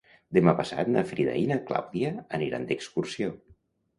Demà passat na Frida i na Clàudia aniran d'excursió.